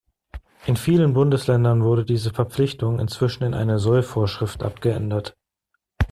In vielen Bundesländern wurde diese Verpflichtung inzwischen in eine Soll-Vorschrift abgeändert.